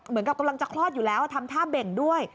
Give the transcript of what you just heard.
เหมือนกับกำลังจะคลอดอยู่แล้วทำท่าเบ่งด้วย